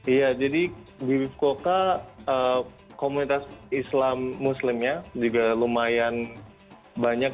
iya jadi di fukuoka komunitas islam muslimnya juga lumayan banyak